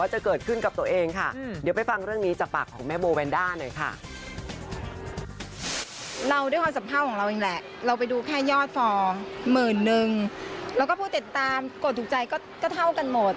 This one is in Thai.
หมื่นหนึ่งแล้วก็ผู้ติดตามกดถูกใจก็เท่ากันหมด